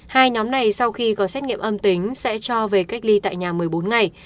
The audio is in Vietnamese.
hai nhóm này sau khi có xét nghiệm âm tính sẽ cho về cách ly tại nhà một mươi bốn ngày